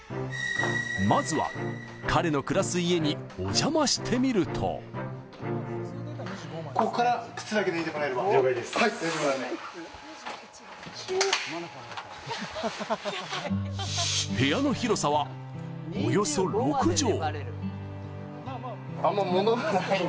まずは彼の暮らす家にお邪魔してみると部屋の広さは、およそ６畳。